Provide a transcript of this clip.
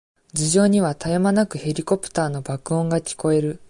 頭上には、たえまなくヘリコプターの爆音が聞こえる。